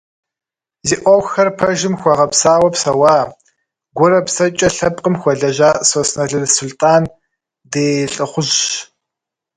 Зи ӏуэхухэр пэжым хуэгъэпсауэ псэуа, гурэ псэкӏэ лъэпкъым хуэлэжьа Сосналы Сулътӏан ди лӏыхъужьщ.